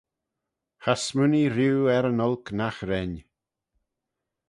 Cha smooinee rieau er yn olk nagh ren